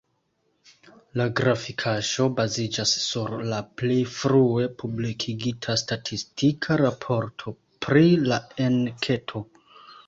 La grafikaĵo baziĝas sur la pli frue publikigita statistika raporto pri la enketo.